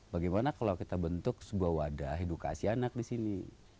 bagaimana kalau kita bentuk sebuah wadah edukasi anak di sini